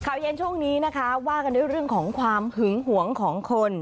เย็นช่วงนี้นะคะว่ากันด้วยเรื่องของความหึงหวงของคน